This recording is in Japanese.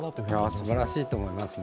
すばらしいと思いますね。